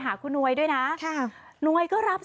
สวัสดีสวัสดีสวัสดีสวัสดี